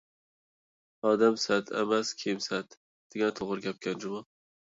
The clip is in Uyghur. «ئادەم سەتى ئەمەس، كىيىم سەتى» دېگەن توغرا گەپكەن جۇمۇ!